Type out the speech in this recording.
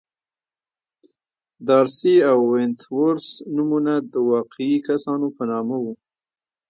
دارسي او ونت وُرث نومونه د واقعي کسانو په نامه وو.